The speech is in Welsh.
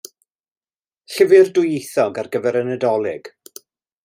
Llyfr dwyieithog ar gyfer y Nadolig.